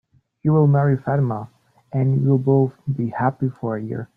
You'll marry Fatima, and you'll both be happy for a year.